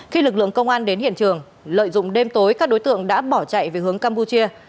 khi lực lượng công an đến hiện trường lợi dụng đêm tối các đối tượng đã bỏ chạy về hướng campuchia